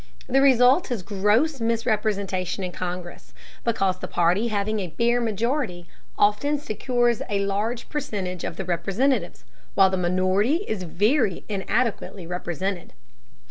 The result is gross misrepresentation in Congress, because the party having a bare majority often secures a large percentage of the representatives, while the minority is very inadequately represented.